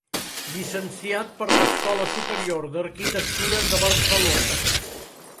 Llicenciat per l’Escola Superior d’Arquitectura de Barcelona.